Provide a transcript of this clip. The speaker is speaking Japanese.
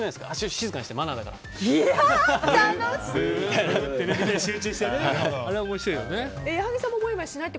静かにして、マナーだからって。